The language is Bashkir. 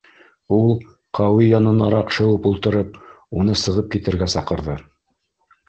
Ул, Ҡәүи янынараҡ шыуып ултырып, уны сығып китергә саҡырҙы.